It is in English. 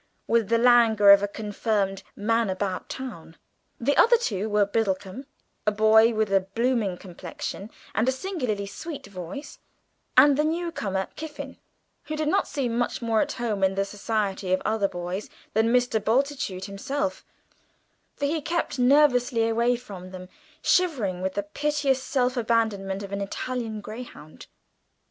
with the languor of a confirmed man about town. The other two were Biddlecomb, a boy with a blooming complexion and a singularly sweet voice, and the new comer, Kiffin, who did not seem much more at home in the society of other boys than Mr. Bultitude himself, for he kept nervously away from them, shivering with the piteous self abandonment of an Italian greyhound.